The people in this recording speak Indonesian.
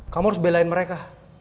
kamu harus belain mereka